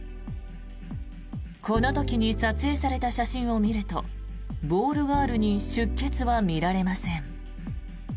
この時に撮影された写真を見るとボールガールに出血は見られません。